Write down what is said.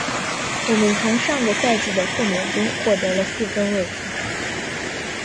我们从上个赛季的豁免中获得了四分卫。